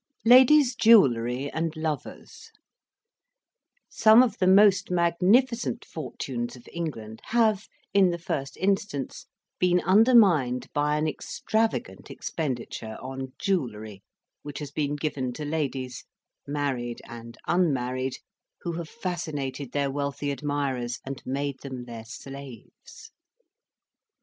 LADIES' JEWELLERY AND LOVERS Some of the most magnificent fortunes of England have, in the first instance, been undermined by an extravagant expenditure on jewellery, which has been given to ladies, married and unmarried, who have fascinated their wealthy admirers and made them their slaves.